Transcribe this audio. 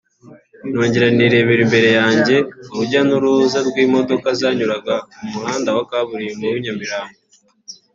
nongera nirebera imbere yanjye urujya n’uruza rw’imodoka zanyuraga mu muhanda wa kaburimbo w’i Nyamirambo